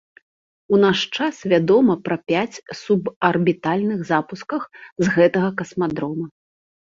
У наш час вядома пра пяць субарбітальных запусках з гэтага касмадрома.